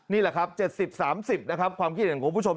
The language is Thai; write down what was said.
นี่แหละครับ๗๐๓๐นะครับความคิดเห็นของคุณผู้ชม